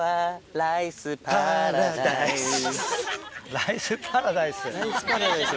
「ライスパラダイス」？